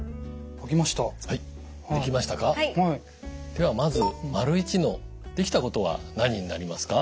ではまず①の「できたこと」は何になりますか？